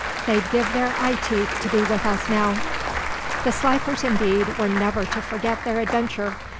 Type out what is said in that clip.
They'd give their eye teeth to be with us now." The Slifers, indeed, were never to forget their adventure.